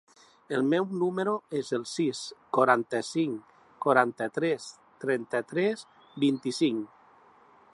El meu número es el sis, quaranta-cinc, quaranta-tres, trenta-tres, vint-i-cinc.